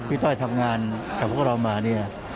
ต้อยทำงานกับพวกเรามาเนี่ย